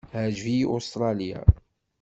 Teɛjeb-iyi Ustṛalya.